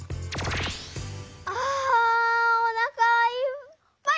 あおなかいっぱい！